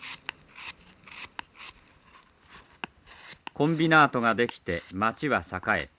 コンビナートが出来て町は栄えた。